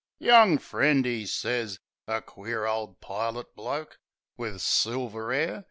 "Young friend," 'e sez ... A queer ole pilot bloke, Wiv silver 'air.